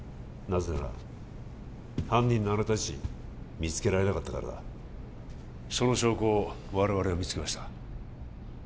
なぜなら犯人のあなた自身見つけられなかったからだその証拠を我々は見つけました